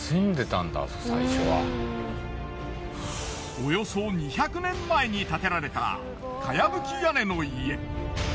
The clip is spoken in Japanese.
およそ２００年前に建てられた茅葺き屋根の家。